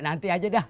nanti aja dah